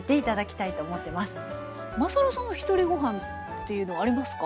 まさるさんはひとりごはんっていうのはありますか？